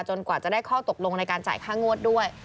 กว่าจะได้ข้อตกลงในการจ่ายค่างวดด้วย